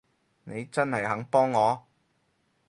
你真係肯幫我？